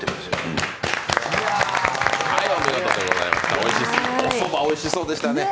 おそばおいしそうでしたね。